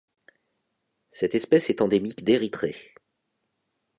Cette espèce est endémique d'Érythrée.